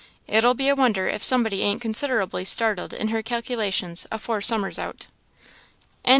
It'll be a wonder if somebody ain't considerably startled in her calculations afore summer's out." CHAPTER XLII.